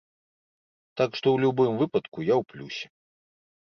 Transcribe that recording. Так што ў любым выпадку я ў плюсе.